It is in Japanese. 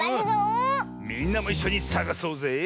みんなもいっしょにさがそうぜ。